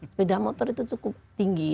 sepeda motor itu cukup tinggi